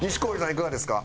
いかがですか？